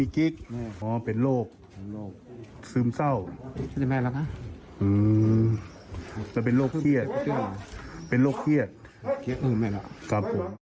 ครับ